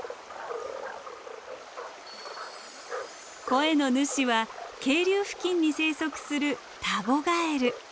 声の主は渓流付近に生息するタゴガエル。